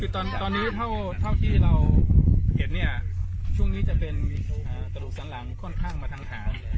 คือตอนนี้เท่าที่เราเห็นเนี่ยช่วงนี้จะเป็นกระดูกสันหลังค่อนข้างมาทางเท้าอยู่แล้ว